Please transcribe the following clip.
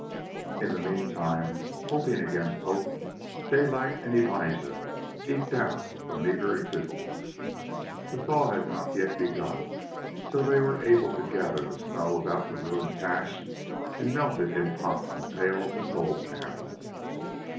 In the meantime, hoping against hope, Daylight and Elija eked out a meagre existence. The thaw had not yet begun, so they were able to gather the snow about the ruined cache and melt it in pots and pails and gold pans.